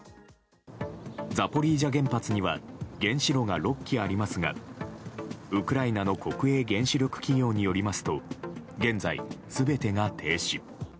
ザポリージャ原発には原子炉が６基ありますがウクライナの国営原子力企業によりますと現在、全てが停止。